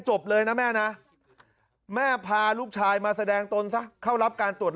จบเลยนะแม่นะแม่พาลูกชายมาแสดงตนซะเข้ารับการตรวจ